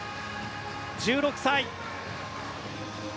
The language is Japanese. １６歳。